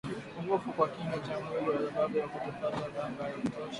Kupungua kwa kinga ya mwili kwa sababu ya kutopata danga ya kutosha